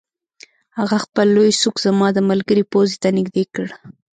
هغه خپل لوی سوک زما د ملګري پوزې ته نږدې کړ